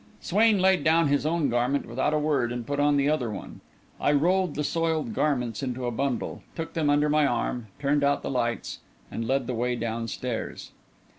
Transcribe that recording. Swain laid down his own garment without a word and put on the other one. I rolled the soiled garments into a bundle, took them under my arm, turned out the lights, and led the way downstairs.